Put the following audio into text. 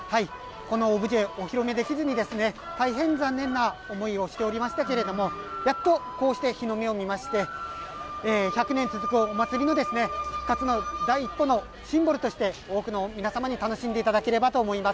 このオブジェ、お披露目できずに、大変残念な思いをしておりましたけれども、やっとこうして、日の目を見まして、１００年続くお祭りの復活の第一歩のシンボルとして多くの皆様に楽しんでいただければと思います。